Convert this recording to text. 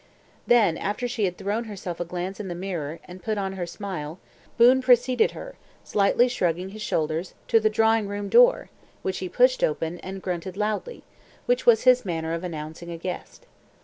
Then, after she had thrown herself a glance in the mirror, and put on her smile, Boon preceded her, slightly shrugging his shoulders, to the drawing room door, which he pushed open, and grunted loudly, which was his manner of announcing a guest.